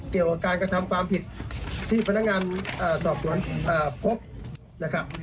เกี่ยวกับการกระทำความผิดที่พนักงานสอบสวนพบนะครับ